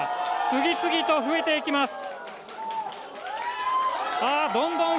次々と増えていきます。